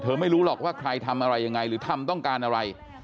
ไม่รู้หรอกว่าใครทำอะไรยังไงหรือทำต้องการอะไร